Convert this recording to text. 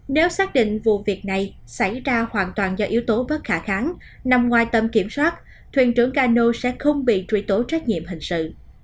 nếu xác định vụ việc này xảy ra hoàn toàn do yếu tố bất khả kháng nằm ngoài tầm kiểm soát thuyền trưởng cano sẽ không bị truy tố trách nhiệm hình sự